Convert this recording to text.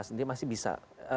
jadi masih bisa